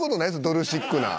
ドルシックナー。